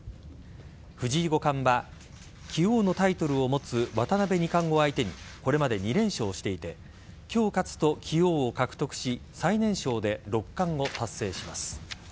藤井五冠は棋王のタイトルを持つ渡辺二冠を相手にこれまで２連勝していて今日勝つと棋王を獲得し最年少で六冠を達成します。